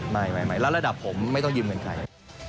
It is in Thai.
ไม่แล้วระดับผมไม่ต้องยืมเงินใคร